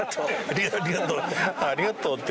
「ありがとう」って。